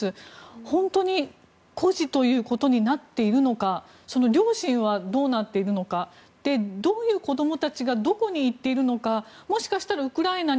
本当に孤児ということになっているのか両親はどうなっているのかどういう子どもたちがどこに行っているのかもしかしたらウクライナに